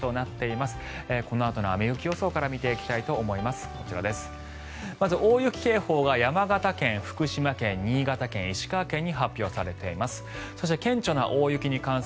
まず大雪警報が山形県、福島県新潟県、石川県に発表されています。